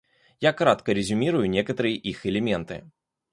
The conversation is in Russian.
Я кратко резюмирую некоторые их элементы.